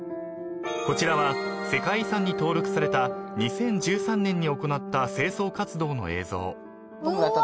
［こちらは世界遺産に登録された２０１３年に行った清掃活動の映像］